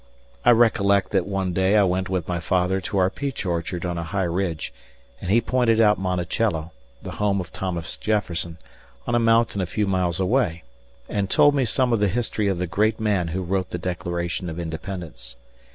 I recollect that one day I went with my father to our peach orchard on a high ridge, and he pointed out Monticello, the home of Thomas Jefferson, on a mountain a few miles away, and told me some of the history of the great man who wrote the Declaration of Independence.